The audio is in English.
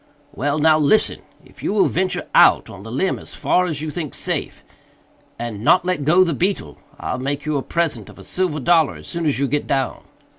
"Well! now listen!—if you will venture out on the limb as far as you think safe, and not let go the beetle, I'll make you a present of a silver dollar as soon as you get down."